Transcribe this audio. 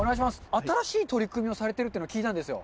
新しい取り組みをされているというのを聞いたんですよ。